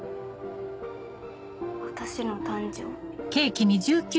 私の誕生日。